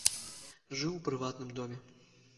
Жыў у прыватным доме.